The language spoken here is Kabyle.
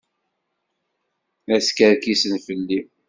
La skerkisen fell-i.